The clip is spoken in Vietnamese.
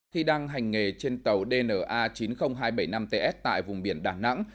khi đang hành nghề trên tàu dna chín mươi nghìn hai trăm bảy mươi năm ts tại vùng biển đà nẵng